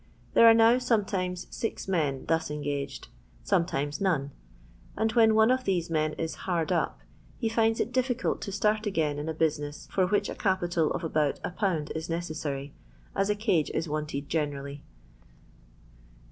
There are now sometimes six men thus engaged ; sometimes none : and when one of these men is " hard up," he finds it difficult to start again in a business for which a capital of about 1/. is necessary, as a cage is wanted generally.